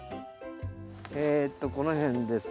えとこの辺です。